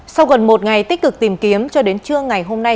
sau gần một ngày tích cực tìm kiếm cho đến trưa ngày hôm nay